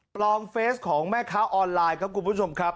เฟสของแม่ค้าออนไลน์ครับคุณผู้ชมครับ